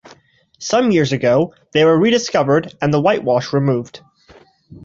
Some years ago, they were rediscovered and the whitewash removed.